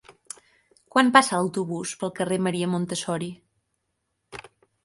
Quan passa l'autobús pel carrer Maria Montessori?